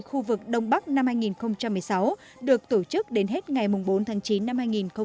khu vực đông bắc năm hai nghìn một mươi sáu được tổ chức đến hết ngày bốn tháng chín năm hai nghìn một mươi tám